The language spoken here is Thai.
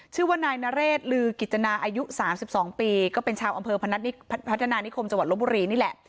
ชื่อว่านายนเรศลือกิจนาอายุ๓๒ปีก็เป็นชาวอำเภอพัฒนานิคมจังหวัดลบบุรีนี่แหละ